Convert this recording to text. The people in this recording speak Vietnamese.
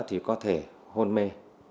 thì có thể hôn mê